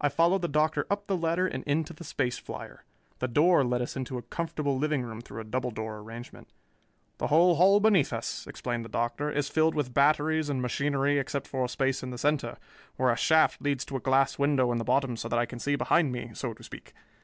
I followed the Doctor up the ladder and into the space flier. The door led us into a comfortable living room through a double door arrangement. "The whole hull beneath us," explained the Doctor, "is filled with batteries and machinery except for a space in the center, where a shaft leads to a glass window in the bottom so that I can see behind me, so to speak.